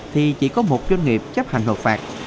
thì chỉ có một doanh nghiệp chấp hành hợp phạt